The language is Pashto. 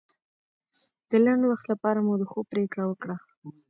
د لنډ وخت لپاره مو د خوب پرېکړه وکړه.